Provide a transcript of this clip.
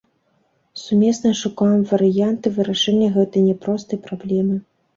Сумесна шукаем варыянты вырашэння гэтай няпростай праблемы.